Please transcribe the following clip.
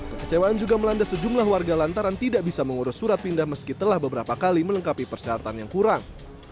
kekecewaan juga melanda sejumlah warga lantaran tidak bisa mengurus surat pindah meski telah beberapa kali melengkapi persyaratan yang kurang